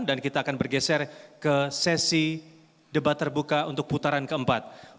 dan kita akan bergeser ke sesi debat terbuka untuk putaran keempat